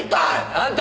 あんた！